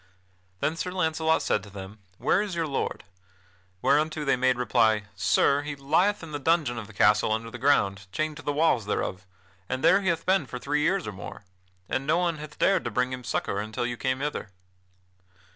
Then Sir Launcelot said to them: "Where is your lord?" Whereunto they made reply: "Sir, he lieth in the dungeon of the castle under the ground chained to the walls thereof, and there he hath been for three years or more, and no one hath dared to bring him succor until you came hither."